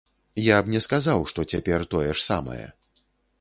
Я б не сказаў, што цяпер тое ж самае.